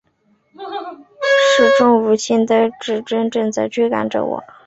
时钟无情的指针正在追赶着我